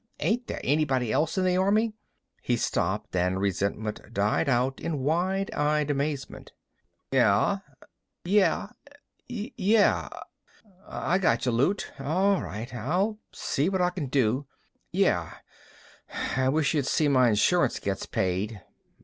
Ain't there anybody else in the army—" He stopped, and resentment died out in wide eyed amazement. "Yeh.... Yeh.... Yeh.... I gotcha, Loot. A'right, I'll see what I c'n do. Yeh.... Wish y'd see my insurance gets paid.